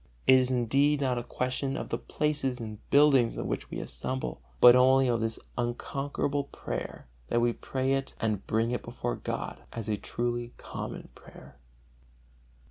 It is indeed not a question of the places and buildings in which we assemble, but only of this unconquerable prayer, that we pray it and bring it before God as a truly common prayer.